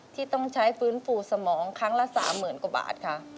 ที่ต้องใช้ฟื้นฟูสมองครั้งละ๓๐๐๐กว่าบาทค่ะ